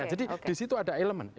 nah jadi di situ ada elemen